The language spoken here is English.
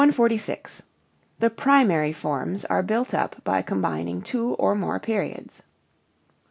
SCHUBERT] 146. The primary forms are built up by combining two or more periods.